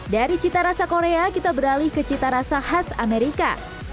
dari cita rasa korea kita beralih ke cita rasa khas amerika